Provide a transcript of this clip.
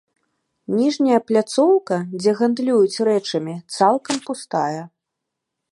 Ніжняя пляцоўка, дзе гандлююць рэчамі, цалкам пустая.